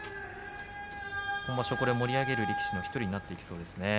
今場所、盛り上げる力士の１人になってきそうですね。